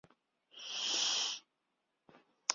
司马懿说是孙吴有使者来请降。